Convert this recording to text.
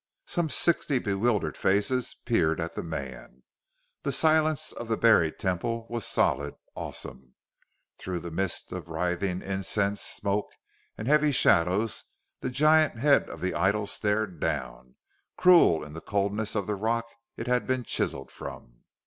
Some sixty bewildered faces peered at the man. The silence of the buried Temple was solid, awesome. Through the mist of wreathing incense smoke and heavy shadows the giant head of the idol stared down, cruel in the coldness of the rock it had been chiselled from.